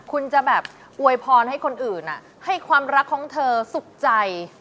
คุณจะแบบอวยพรให้คนอื่นให้ความรักของเธอสุขใจ